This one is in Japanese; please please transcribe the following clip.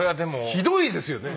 ひどいですよね。